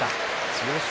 千代翔